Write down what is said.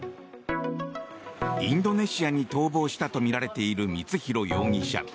インドネシアに逃亡したとみられている光弘容疑者。